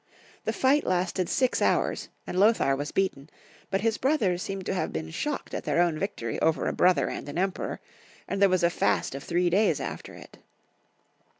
The fight lasted six hours, and Lothar was beaten; but his brothers seem to have been shocked at their own victory over a brother and an emperor, and there was a fast of three days after it.